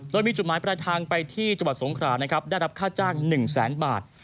โดยมีจุดหมายประทางไปที่จบัตรสงคราได้รับค่าจ้าง๑๐๐๐๐๐บาท